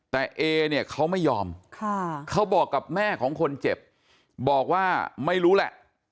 แต่เอเนี่ยเขาไม่ยอมเขาบอกกับแม่ของคนเจ็บบอกว่าไม่รู้แหละ